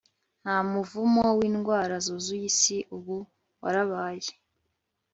nta muvumo windwara zuzuye isi uba warabayeho